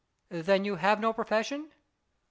" Then you have no profession ?